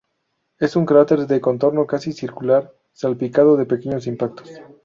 Es un cráter de contorno casi circular, salpicado de pequeños impactos.